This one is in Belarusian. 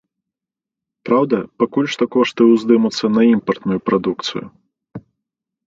Праўда, пакуль што кошты ўздымуцца на імпартную прадукцыю.